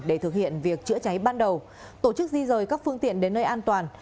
để thực hiện việc chữa cháy ban đầu tổ chức di rời các phương tiện đến nơi an toàn